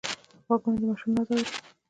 غوږونه د ماشوم ناز اوري